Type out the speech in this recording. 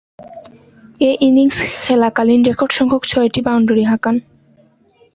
এ innings খেলাকালীন রেকর্ডসংখ্যক ছয়টি বাউন্ডারি হাঁকান।